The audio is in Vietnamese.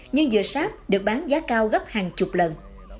nhưng dừa sáp được bán giá cao gấp hàng chục lần